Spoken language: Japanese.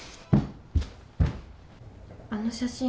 あの写真